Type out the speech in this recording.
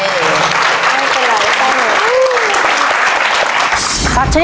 ไม่เป็นไร